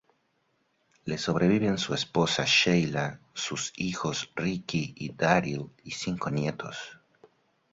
Le sobreviven su esposa Sheila, sus hijos Ricky y Daryl y cinco nietos.